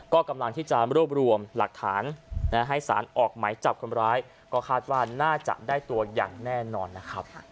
ก็กำลังที่จะรวบรวมหลักฐานให้สารออกหมายจับคนร้ายก็คาดว่าน่าจะได้ตัวอย่างแน่นอนนะครับ